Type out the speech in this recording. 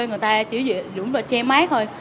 người ta chỉ dùng là tre máy thôi